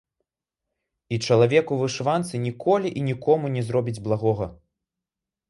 І чалавек у вышыванцы ніколі і нікому не зробіць благога.